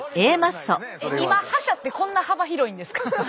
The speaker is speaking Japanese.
今覇者ってこんな幅広いんですか？